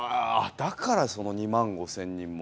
だからその２万５０００人も。